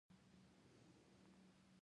ستونزه له عمومي قضاوت څخه پیلېږي.